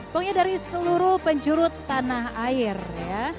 pokoknya dari seluruh penjuru tanah air ya